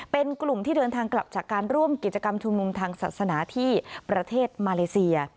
เป็นกลุ่มที่เดินทางกลับจากการร่วมกิจกรรมชุมนุมทางศาสนาที่ประเทศมาเลเซีย